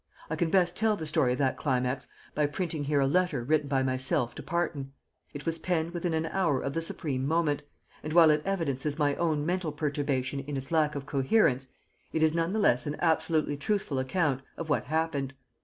I can best tell the story of that climax by printing here a letter written by myself to Parton. It was penned within an hour of the supreme moment, and while it evidences my own mental perturbation in its lack of coherence, it is none the less an absolutely truthful account of what happened.